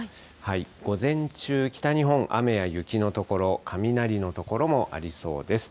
午前中、北日本、雨や雪の所、雷の所もありそうです。